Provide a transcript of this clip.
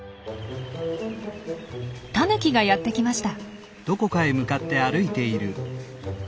タヌキがやって来ました。